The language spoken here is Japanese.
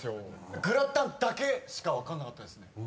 「グラタン」だけしか分かんなかったですね。